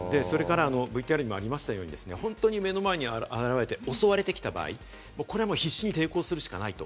それからＶＴＲにもありましたように本当に目の前に現れて襲われてきた場合、これはもう、必死に抵抗するしかない。